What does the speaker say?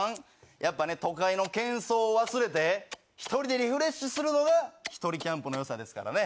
やっぱね、都会のけんそうを忘れて、ひとりでリフレッシュするのが、ひとりキャンプのよさですからね。